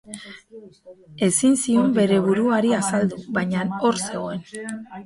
Ezin zion bere buruari azaldu, baina hor zegoen.